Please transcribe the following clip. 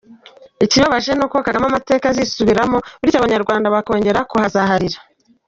Ikibabaje ni uko Kagame amateka azisubiramo bityo abanyarwanda bakongera kuhazaharira.